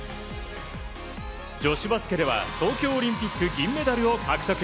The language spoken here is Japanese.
女子バスケでは東京オリンピック銀メダルを獲得。